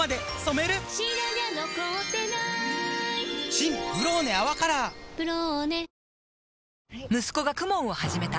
新「ブローネ泡カラー」「ブローネ」息子が ＫＵＭＯＮ を始めた